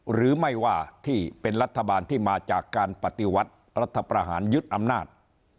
หรือไม่ว่าที่เป็นรัฐบาลที่มาจากการปฏิวัติรัฐประหารยึดอำนาจ